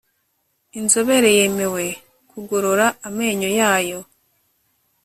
inzobere yemewe kugorora amenyo yayo